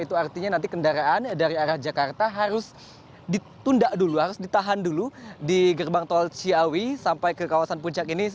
itu artinya nanti kendaraan dari arah jakarta harus ditunda dulu harus ditahan dulu di gerbang tol ciawi sampai ke kawasan puncak ini